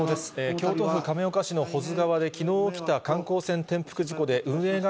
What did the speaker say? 京都府亀岡市の保津川で、きのう起きた観光船転覆事故で、運営会